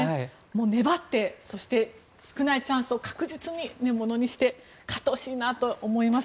粘って、そして少ないチャンスを確実にものにして勝ってほしいなと思います。